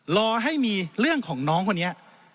รอให้มีเรื่องของน้องคนนี้